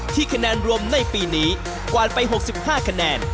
คะแนนรวมในปีนี้กวาดไป๖๕คะแนน